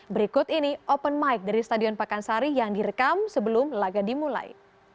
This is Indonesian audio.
berikut ini open mic dari stadion pakansari yang direkam sebelum laga dimulai